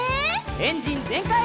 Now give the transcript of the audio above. エンジンぜんかい！